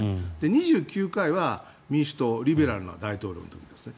２９回は民主党リベラルの大統領の時ですね。